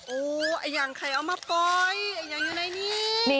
โอ้ยไอ้อย่างใครเอามาปล่อยไอ้อย่างอยู่ไหนนี่